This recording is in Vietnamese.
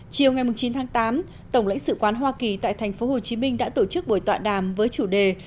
chiều ngày chín tháng tám tổng lãnh sự quán hoa kỳ tại tp hcm đã tổ chức buổi tọa đàm với chủ đề